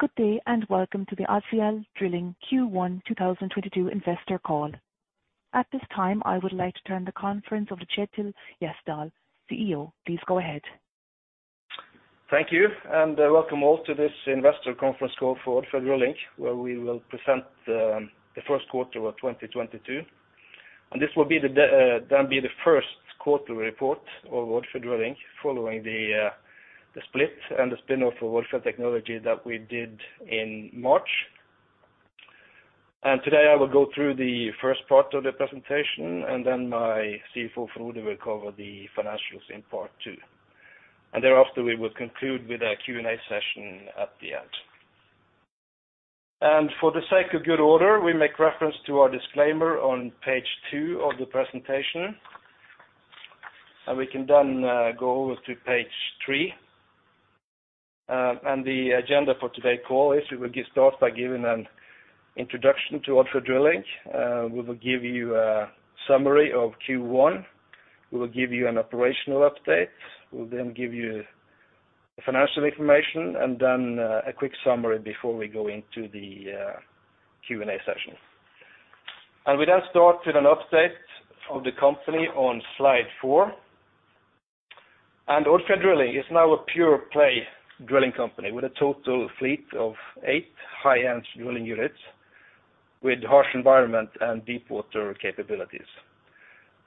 Good day and welcome to the Odfjell Drilling Q1 2022 investor call. At this time, I would like to turn the conference over to Kjetil Gjersdal, CEO. Please go ahead. Thank you, and welcome all to this investor conference call for Odfjell Drilling, where we will present the Q1 of 2022. This will then be the Q1 report of Odfjell Drilling following the split and the spin-off of Odfjell Technology that we did in March. Today, I will go through the first part of the presentation, and then my CFO, Frode, will cover the financials in part two. Thereafter, we will conclude with a Q&A session at the end. For the sake of good order, we make reference to our disclaimer on page two of the presentation. We can then go over to page three. The agenda for today's call is we will start by giving an introduction to Odfjell Drilling. We will give you a summary of Q1. We will give you an operational update. We'll then give you financial information and then, a quick summary before we go into the, Q&A session. We now start with an update of the company on slide four. Odfjell Drilling is now a pure-play drilling company with a total fleet of eight high-end drilling units with harsh environment and deepwater capabilities.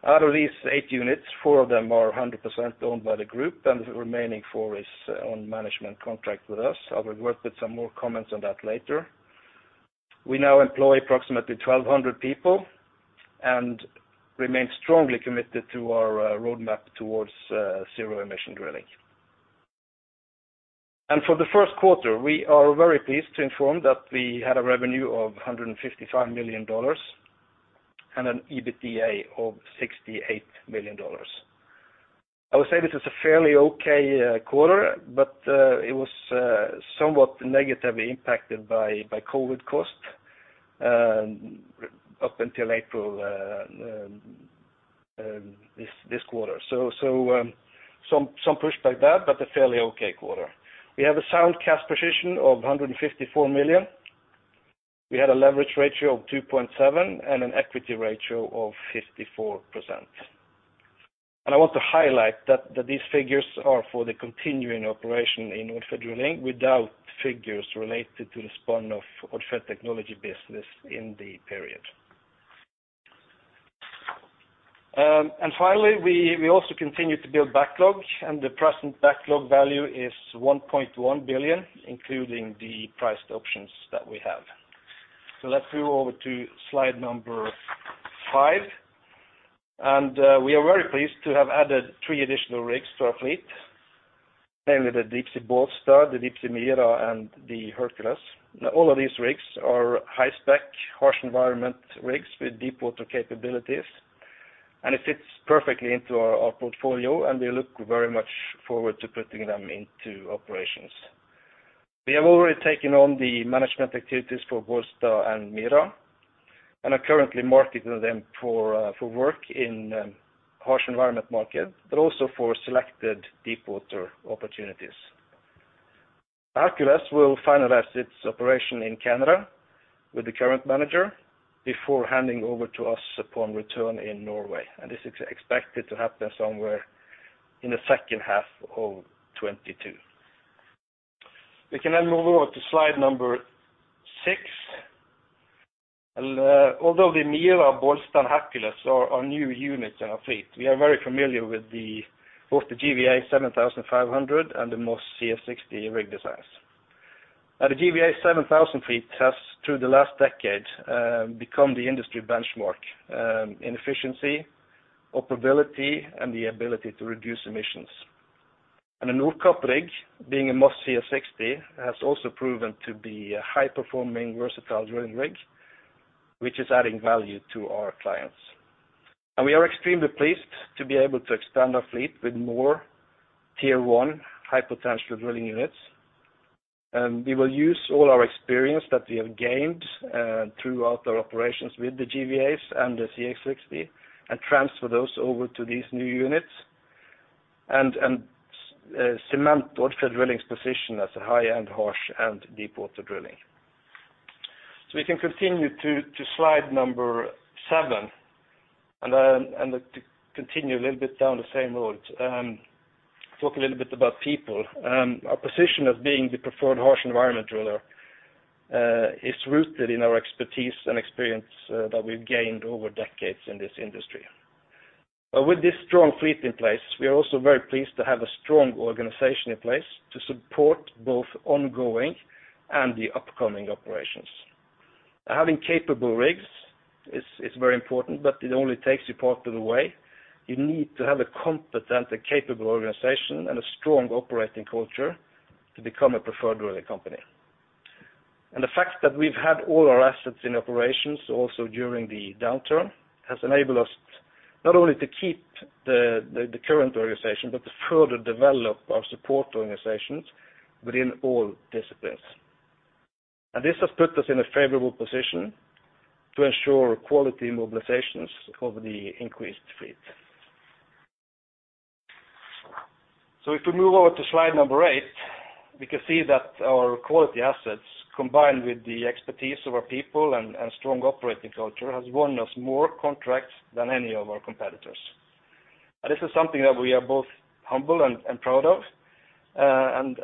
Out of these eight units, four of them are 100% owned by the group, and the remaining four is on management contract with us. I will work with some more comments on that later. We now employ approximately 1,200 people and remain strongly committed to our, roadmap towards, zero emission drilling. For the Q1, we are very pleased to inform that we had a revenue of $155 million and an EBITDA of $68 million. I would say this is a fairly okay quarter, but it was somewhat negatively impacted by COVID costs up until April this quarter. Some pushback that, but a fairly okay quarter. We have a sound cash position of $154 million. We had a leverage ratio of 2.7 and an equity ratio of 54%. I want to highlight that these figures are for the continuing operation in Odfjell Drilling without figures related to the spin-off Odfjell Technology business in the period. Finally, we also continue to build backlog, and the present backlog value is $1.1 billion, including the priced options that we have. Let's move over to slide number five. We are very pleased to have added three additional rigs to our fleet, namely the Deepsea Bollsta, the Deepsea Mira, and the Hercules. All of these rigs are high spec, harsh environment rigs with deepwater capabilities, and it fits perfectly into our portfolio, and we look very much forward to putting them into operations. We have already taken on the management activities for Bollsta and Mira and are currently marketing them for work in harsh environment market, but also for selected deepwater opportunities. Hercules will finalize its operation in Canada with the current manager before handing over to us upon return in Norway, and this is expected to happen somewhere in the second half of 2022. We can then move over to slide number six. Although the Mira, Bollsta, and Hercules are new units in our fleet, we are very familiar with both the GVA 7500 and the Moss CS60 rig designs. Now, the GVA 7500 fleet has, through the last decade, become the industry benchmark in efficiency, operability, and the ability to reduce emissions. The Nordkapp rig, being a Moss CS60, has also proven to be a high-performing versatile drilling rig, which is adding value to our clients. We are extremely pleased to be able to extend our fleet with more tier one high potential drilling units. We will use all our experience that we have gained throughout our operations with the GVAs and the CS60 and transfer those over to these new units and cement Odfjell Drilling's position as a high-end harsh and deepwater drilling. We can continue to slide number 7 and continue a little bit down the same road, talk a little bit about people. Our position of being the preferred harsh environment driller is rooted in our expertise and experience that we've gained over decades in this industry. With this strong fleet in place, we are also very pleased to have a strong organization in place to support both ongoing and the upcoming operations. Having capable rigs is very important, but it only takes you part of the way. You need to have a competent and capable organization and a strong operating culture to become a preferred drilling company. The fact that we've had all our assets in operations also during the downturn has enabled us not only to keep the current organization but to further develop our support organizations within all disciplines. This has put us in a favorable position to ensure quality mobilizations of the increased fleet. If we move over to slide number 8, we can see that our quality assets, combined with the expertise of our people and strong operating culture, has won us more contracts than any of our competitors. This is something that we are both humble and proud of, and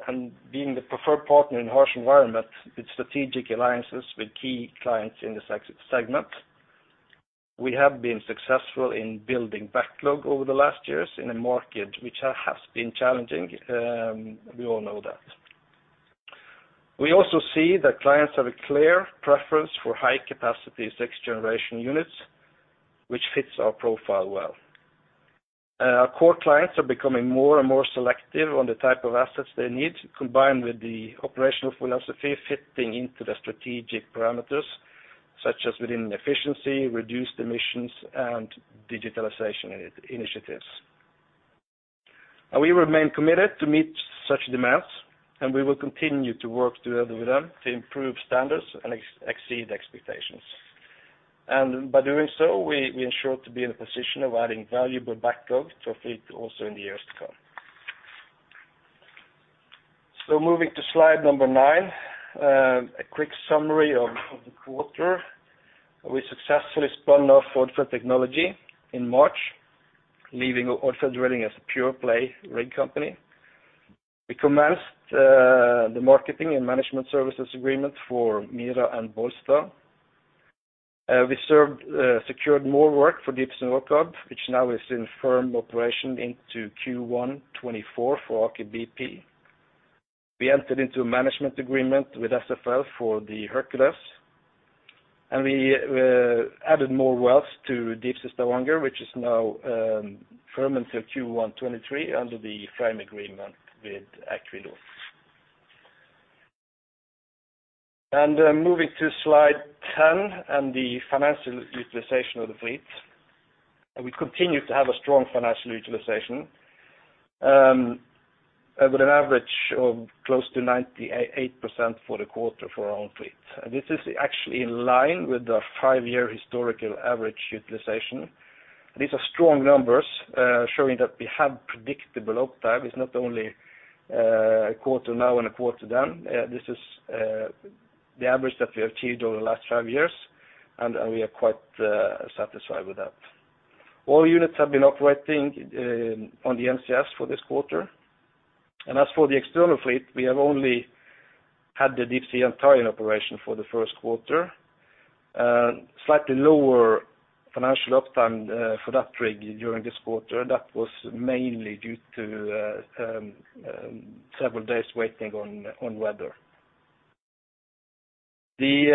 being the preferred partner in harsh environments with strategic alliances with key clients in this segment. We have been successful in building backlog over the last years in a market which has been challenging, we all know that. We also see that clients have a clear preference for high-capacity sixth-generation units, which fits our profile well. Our core clients are becoming more and more selective on the type of assets they need, combined with the operational philosophy fitting into the strategic parameters, such as within efficiency, reduced emissions, and digitalization initiatives. We remain committed to meet such demands, and we will continue to work together with them to improve standards and exceed expectations. By doing so, we ensure to be in a position of adding valuable backlog to fleet also in the years to come. Moving to slide number 9, a quick summary of the quarter. We successfully spun off Odfjell Technology in March, leaving Odfjell Drilling as a pure-play rig company. We commenced the marketing and management services agreement for Mira and Bollsta. We secured more work for Deepsea Nordkapp, which now is in firm operation into Q1 2024 for Aker BP. We entered into a management agreement with SFL for the Hercules, and we added more wells to Deepsea Stavanger, which is now firm until Q1 2023 under the frame agreement with Equinor. Moving to slide 10 and the financial utilization of the fleet. We continue to have a strong financial utilization with an average of close to 98% for the quarter for our own fleet. This is actually in line with the five-year historical average utilization. These are strong numbers showing that we have predictable uptime. It's not only a quarter now and a quarter then. This is the average that we have achieved over the last five years, and we are quite satisfied with that. All units have been operating on the NCS for this quarter. As for the external fleet, we have only had the Deepsea Antares in operation for the Q1. Slightly lower financial uptime for that rig during this quarter. That was mainly due to several days waiting on weather. The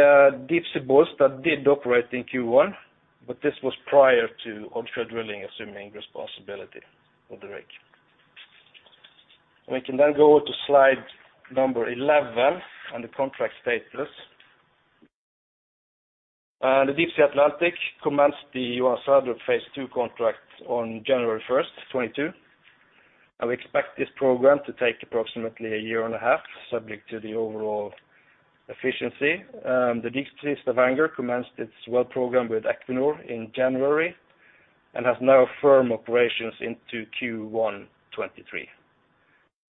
Deepsea Bollsta did operate in Q1, but this was prior to Odfjell Drilling assuming responsibility for the rig. We can then go to slide number 11 and the contract status. The Deepsea Atlantic commenced the Johan Sverdrup phase II contract on January 1, 2022. We expect this program to take approximately a year and a half, subject to the overall efficiency. The Deepsea Stavanger commenced its well program with Equinor in January and has now firm operations into Q1 2023.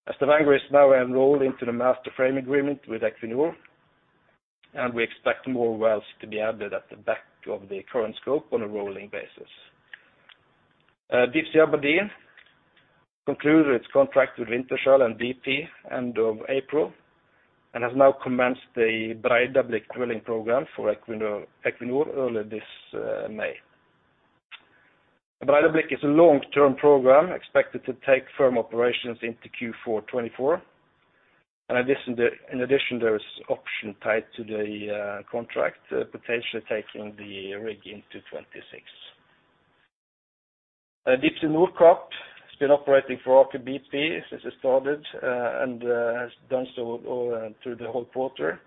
Deepsea Stavanger is now enrolled into the master frame agreement with Equinor, and we expect more wells to be added at the back of the current scope on a rolling basis. Deepsea Aberdeen concluded its contract with Wintershall Dea and BP end of April and has now commenced the Breidablikk drilling program for Equinor earlier this May. Breidablikk is a long-term program expected to take firm operations into Q4 2024. In addition, there is option tied to the contract, potentially taking the rig into 2026. Deepsea Nordkapp has been operating for Aker BP since it started and has done so all through the whole quarter.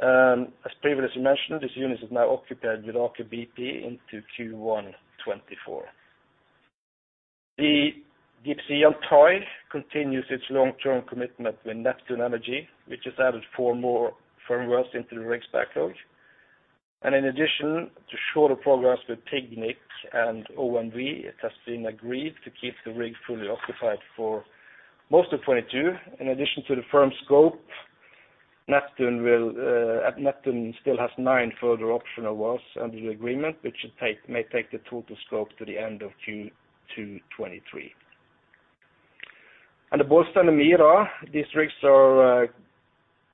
As previously mentioned, this unit is now occupied with Aker BP into Q1 2024. The Deepsea Antares continues its long-term commitment with Neptune Energy, which has added four more firm wells into the rig's backlog. In addition to shorter programs with PGNiG and OMV, it has been agreed to keep the rig fully occupied for most of 2022. In addition to the firm scope, Neptune still has nine further optional wells under the agreement, which may take the total scope to the end of Q2 2023. The Bollsta and Mira, these rigs are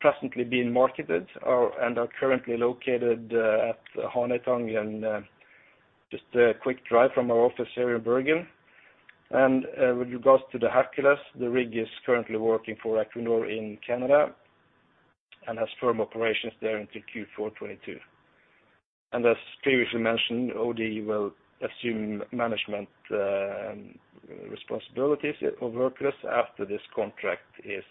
presently being marketed and are currently located at Hanøytangen, just a quick drive from our office here in Bergen. With regards to the Hercules, the rig is currently working for Equinor in Canada and has firm operations there into Q4 2022. As previously mentioned, Odfjell will assume management responsibilities of Hercules after this contract is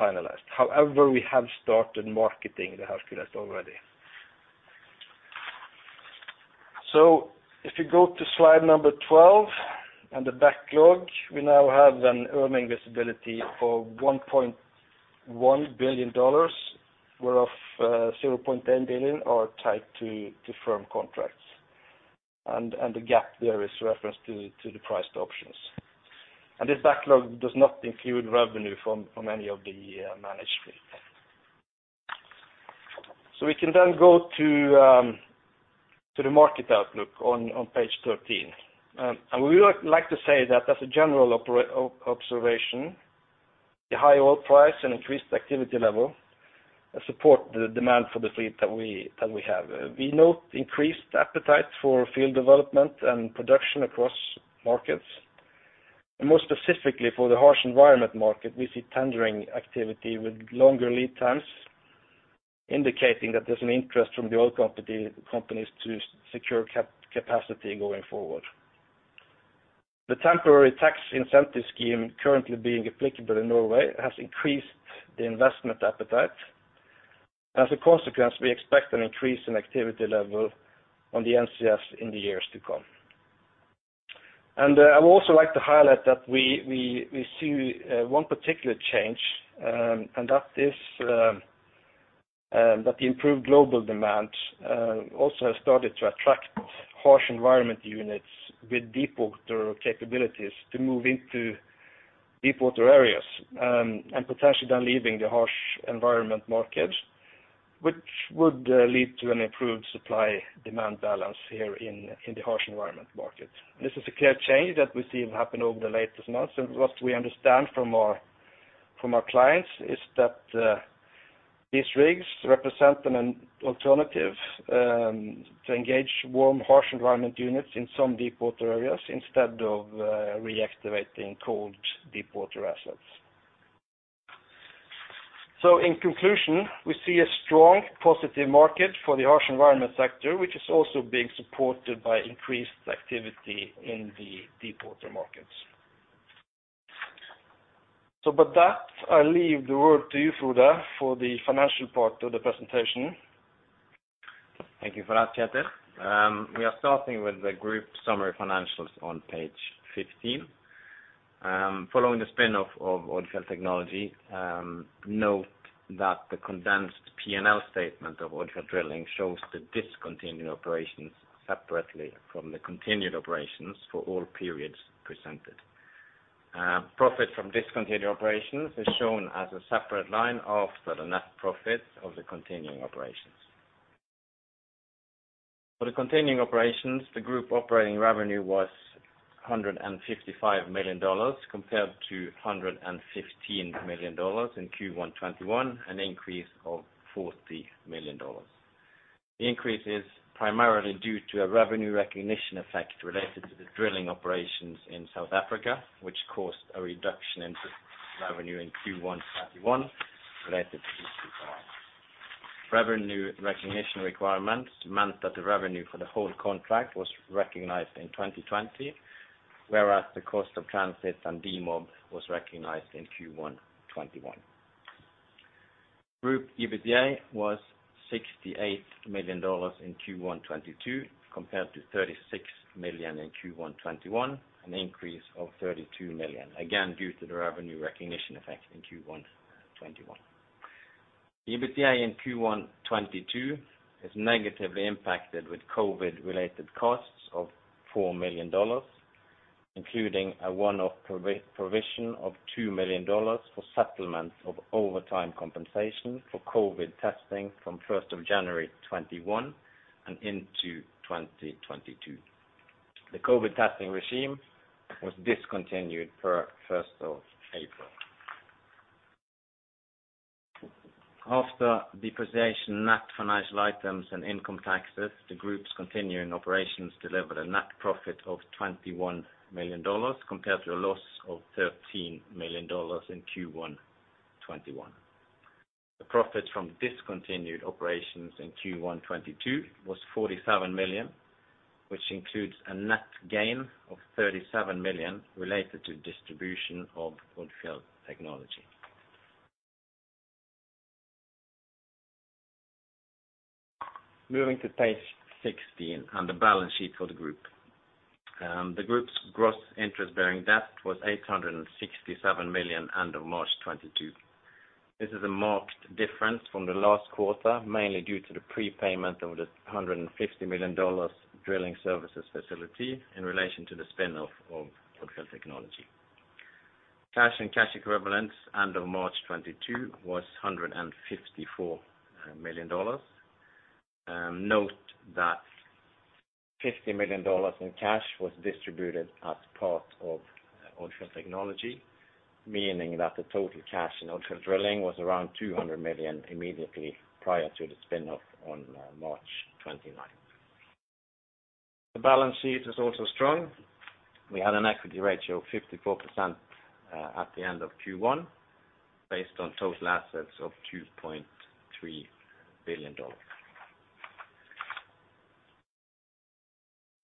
finalized. However, we have started marketing the Hercules already. If you go to slide number 12, and the backlog, we now have earnings visibility for $1.1 billion, whereof $0.10 billion are tied to firm contracts. The gap there is referenced to the priced options. This backlog does not include revenue from any of the managed fleet. We can then go to the market outlook on page 13. We would like to say that as a general observation, the high oil price and increased activity level support the demand for the fleet that we have. We note increased appetite for field development and production across markets. More specifically for the harsh environment market, we see tendering activity with longer lead times, indicating that there's an interest from the oil company, companies to secure capacity going forward. The temporary tax incentive scheme currently being applicable in Norway has increased the investment appetite. As a consequence, we expect an increase in activity level on the NCS in the years to come. I would also like to highlight that we see one particular change, and that is that the improved global demand also has started to attract harsh environment units with deepwater capabilities to move into deepwater areas, and potentially then leaving the harsh environment market, which would lead to an improved supply-demand balance here in the harsh environment market. This is a clear change that we've seen happen over the latest months, and what we understand from our clients is that these rigs represent an alternative to engage warm, harsh environment units in some deepwater areas instead of reactivating cold deepwater assets. In conclusion, we see a strong positive market for the harsh environment sector, which is also being supported by increased activity in the deepwater markets. With that, I leave the word to you, Frode, for the financial part of the presentation. Thank you for that, Kjetil. We are starting with the group summary financials on page 15. Following the spin-off of Odfjell Technology, note that the condensed P&L statement of Odfjell Drilling shows the discontinued operations separately from the continuing operations for all periods presented. Profit from discontinued operations is shown as a separate line after the net profit of the continuing operations. For the continuing operations, the group operating revenue was $155 million compared to $115 million in Q1 2021, an increase of $40 million. The increase is primarily due to a revenue recognition effect related to the drilling operations in South Africa, which caused a reduction in revenue in Q1 2021 related to this requirement. Revenue recognition requirements meant that the revenue for the whole contract was recognized in 2020, whereas the cost of transits and demob was recognized in Q1 2021. Group EBITDA was $68 million in Q1 2022 compared to $36 million in Q1 2021, an increase of $32 million, again, due to the revenue recognition effect in Q1 2021. EBITDA in Q1 2022 is negatively impacted with COVID-related costs of $4 million, including a one-off provision of $2 million for settlement of overtime compensation for COVID testing from first of January 2021 and into 2022. The COVID testing regime was discontinued per first of April. After depreciation, net financial items, and income taxes, the group's continuing operations delivered a net profit of $21 million compared to a loss of $13 million in Q1 2021. The profit from discontinued operations in Q1 2022 was $47 million, which includes a net gain of $37 million related to distribution of Odfjell Technology. Moving to page 16 and the balance sheet for the group. The group's gross interest-bearing debt was $867 million end of March 2022. This is a marked difference from the last quarter, mainly due to the prepayment of the $150 million drilling services facility in relation to the spin of Odfjell Technology. Cash and cash equivalents end of March 2022 was $154 million. Note that $50 million in cash was distributed as part of Odfjell Technology, meaning that the total cash in Odfjell Drilling was around $200 million immediately prior to the spin-off on March 29, 2022. The balance sheet is also strong. We had an equity ratio of 54% at the end of Q1 based on total assets of $2.3 billion.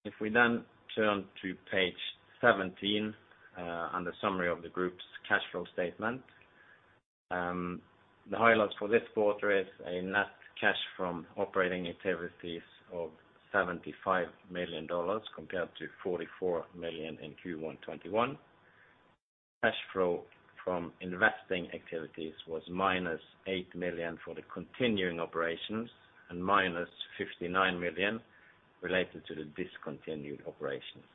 If we then turn to page 17 and the summary of the group's cash flow statement, the highlights for this quarter is a net cash from operating activities of $75 million compared to $44 million in Q1 2021. Cash flow from investing activities was -$8 million for the continuing operations and -$59 million related to the discontinued operations.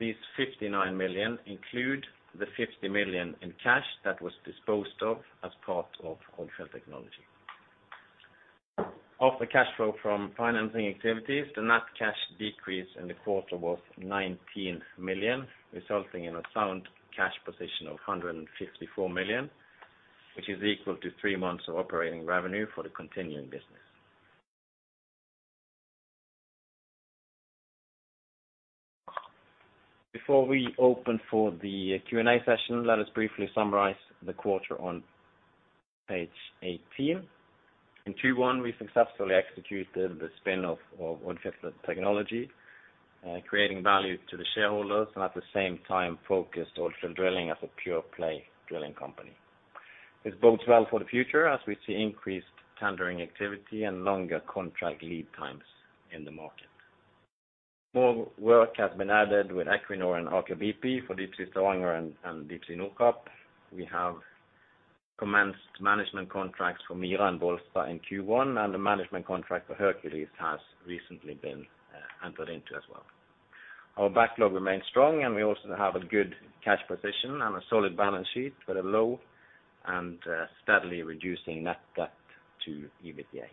These $59 million include the $50 million in cash that was disposed of as part of Odfjell Technology. Of the cash flow from financing activities, the net cash decrease in the quarter was $19 million, resulting in a sound cash position of $154 million, which is equal to three months of operating revenue for the continuing business. Before we open for the Q&A session, let us briefly summarize the quarter on page 18. In Q1, we successfully executed the spin of Odfjell Technology, creating value to the shareholders and at the same time focused Odfjell Drilling as a pure play drilling company. This bodes well for the future as we see increased tendering activity and longer contract lead times in the market. More work has been added with Equinor and Aker BP for Deepsea Stavanger and Deepsea Nordkapp. We have commenced management contracts for Mira and Bollsta in Q1, and the management contract for Hercules has recently been entered into as well. Our backlog remains strong, and we also have a good cash position and a solid balance sheet with a low and steadily reducing net debt to EBITDA.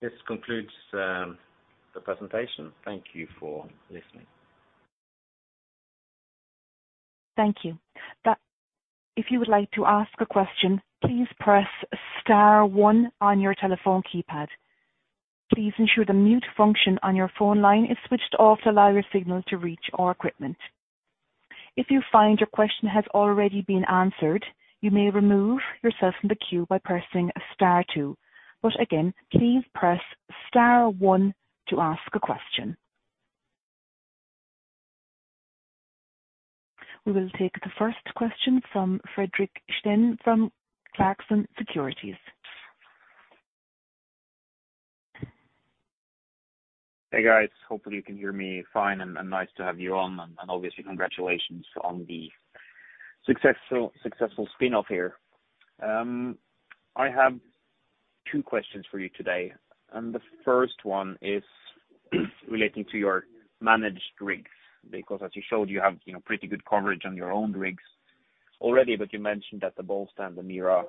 This concludes the presentation. Thank you for listening. Thank you. If you would like to ask a question, please press star one on your telephone keypad. Please ensure the mute function on your phone line is switched off to allow your signal to reach our equipment. If you find your question has already been answered, you may remove yourself from the queue by pressing star two. But again, please press star one to ask a question. We will take the first question from Fredrik Stene from Clarksons Securities. Hey, guys. Hopefully you can hear me fine and nice to have you on and obviously congratulations on the successful spin-off here. I have two questions for you today, and the first one is relating to your managed rigs, because as you showed, you have, you know, pretty good coverage on your own rigs already. You mentioned that the Bollsta and the Mira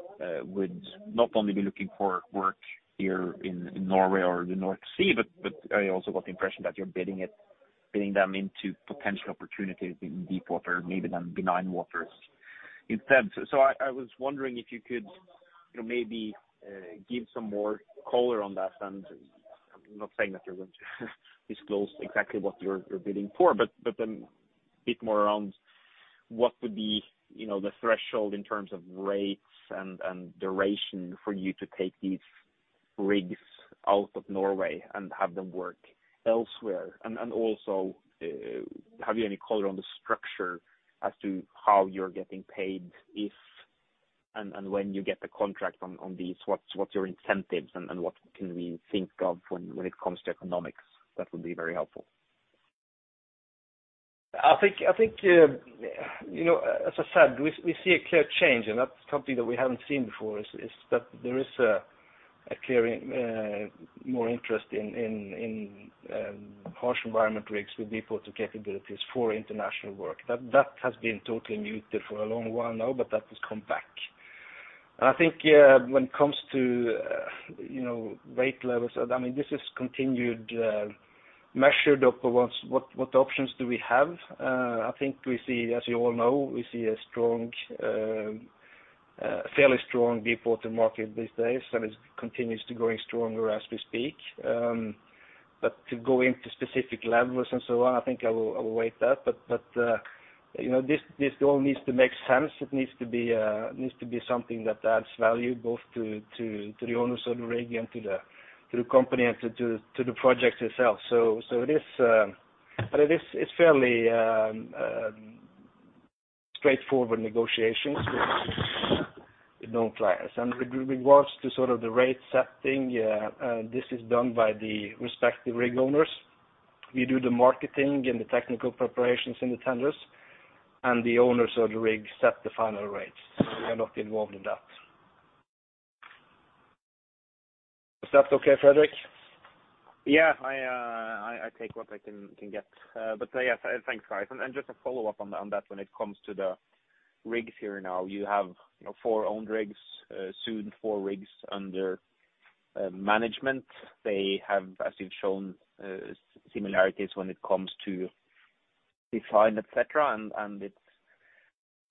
would not only be looking for work here in Norway or the North Sea, but I also got the impression that you're bidding them into potential opportunities in deep water, maybe in benign waters instead. I was wondering if you could, you know, maybe give some more color on that. I'm not saying that you're going to disclose exactly what you're bidding for, but then a bit more around what would be, you know, the threshold in terms of rates and duration for you to take these rigs out of Norway and have them work elsewhere. Also, have you any color on the structure as to how you're getting paid, if and when you get the contract on these, what's your incentives and what can we think of when it comes to economics? That would be very helpful. I think you know, as I said, we see a clear change, and that's something that we haven't seen before is that there is a clear more interest in harsh environment rigs with deepwater capabilities for international work. That has been totally muted for a long while now, but that has come back. I think when it comes to you know rate levels, I mean this is continued measured of what options do we have. I think we see, as you all know, we see a strong fairly strong deepwater market these days, and it continues to growing stronger as we speak. To go into specific levels and so on, I think I will wait that. This all needs to make sense. It needs to be something that adds value both to the owners of the rig and to the company and to the project itself. It is, but it is, it's fairly straightforward negotiations with no clients. With regards to sort of the rate setting, this is done by the respective rig owners. We do the marketing and the technical preparations in the tenders, and the owners of the rig set the final rates. We are not involved in that. Is that okay, Fredrik? Yeah. I take what I can get. Yes, thanks, guys. Just a follow-up on that, when it comes to the rigs here now, you have, you know, four owned rigs, soon four rigs under management. They have, as you've shown, similarities when it comes to design, et cetera.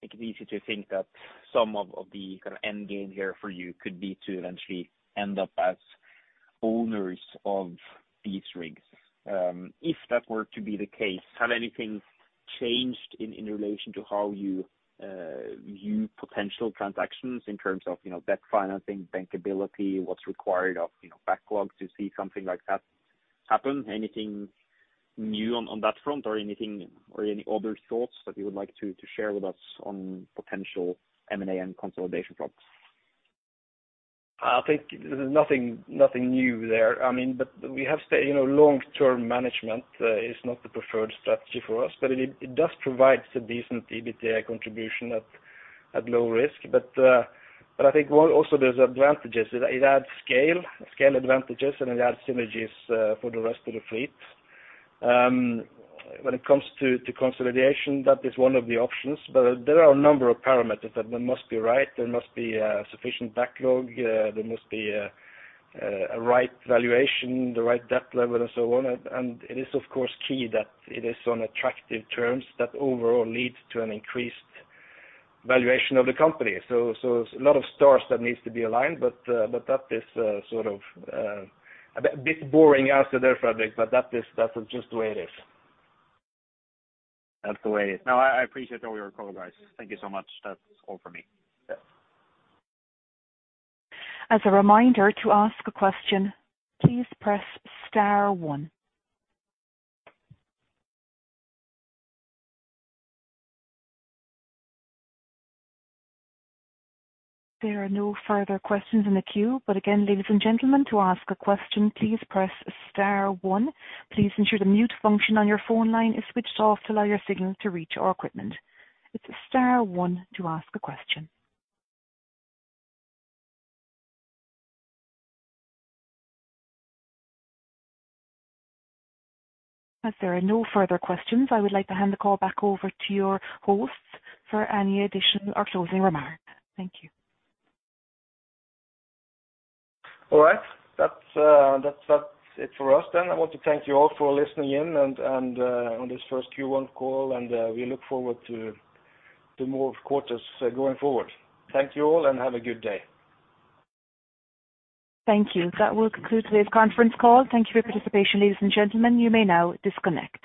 It can be easy to think that some of the kind of end game here for you could be to eventually end up as owners of these rigs. If that were to be the case, have anything changed in relation to how you view potential transactions in terms of, you know, debt financing, bankability, what's required of, you know, backlogs to see something like that happen? Anything new on that front or anything or any other thoughts that you would like to share with us on potential M&A and consolidation prospects? I think there's nothing new there. I mean, but we have said, you know, long-term management is not the preferred strategy for us, but it does provide a decent EBITDA contribution at low risk. I think also there's advantages. It adds scale advantages, and it adds synergies for the rest of the fleet. When it comes to consolidation, that is one of the options. There are a number of parameters that they must be right. There must be a sufficient backlog. There must be a right valuation, the right debt level and so on. It is of course key that it is on attractive terms that overall leads to an increased valuation of the company. A lot of stars that needs to be aligned, but that is sort of a bit boring answer there, Fredrik, but that is, that's just the way it is. That's the way it is. No, I appreciate all your calls, guys. Thank you so much. That's all for me. Yeah. As a reminder, to ask a question, please press star one. There are no further questions in the queue. Again, ladies and gentlemen, to ask a question, please press star one. Please ensure the mute function on your phone line is switched off to allow your signal to reach our equipment. It's star one to ask a question. As there are no further questions, I would like to hand the call back over to your hosts for any additional or closing remarks. Thank you. All right. That's it for us then. I want to thank you all for listening in on this first Q1 call, and we look forward to more quarters going forward. Thank you all, and have a good day. Thank you. That will conclude today's conference call. Thank you for your participation, ladies and gentlemen. You may now disconnect.